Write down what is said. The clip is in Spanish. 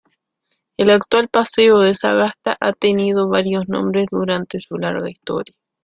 El actual paseo de Sagasta ha tenido varios nombres durante su larga historia.